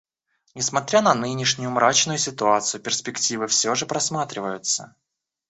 Несмотря на нынешнюю мрачную ситуацию, перспективы все же просматриваются.